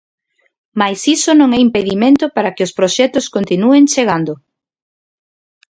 Mais iso non é impedimento para que os proxectos continúen chegando.